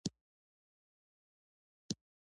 آیا د ګازو زیرمې یې په نړۍ کې دویمې نه دي؟